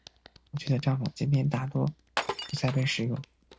过去的帐篷今天大多不再被使用。